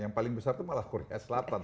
yang paling besar itu malah korea selatan